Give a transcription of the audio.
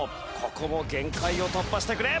ここも限界を突破してくれ！